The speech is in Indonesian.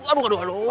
aduh aduh aduh